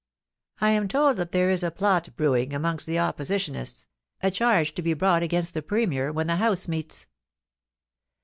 I am told that there is a plot brewing amongst the Oppositionists — a, charge to be brought against the Premier when the House meets.'